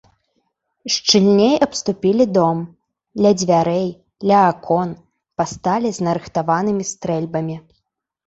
Шчыльней абступілі дом, ля дзвярэй, ля акон пасталі з нарыхтаванымі стрэльбамі.